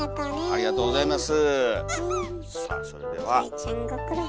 ありがとうございます。